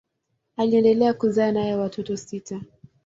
Aliendelea kuzaa naye watoto sita.